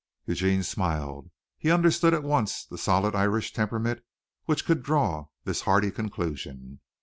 Eugene smiled. He understood at once the solid Irish temperament which could draw this hearty conclusion.